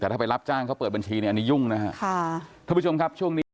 แต่ถ้าไปรับจ้างเขาเปิดบัญชีเนี่ยอันนี้ยุ่งนะฮะค่ะท่านผู้ชมครับช่วงนี้